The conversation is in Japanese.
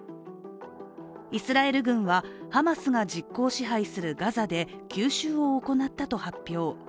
イスラエル軍は、ハマスが実効支配するガザで、急襲を行ったと発表。